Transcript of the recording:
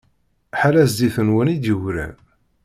Ḥala zzit-nwen i d-yegran.